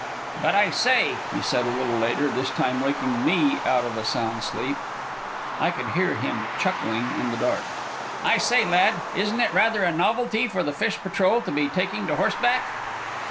"But, I say," he said, a little later, this time waking me out of a sound sleep. I could hear him chuckling in the dark. "I say, lad, isn't it rather a novelty for the fish patrol to be taking to horseback?"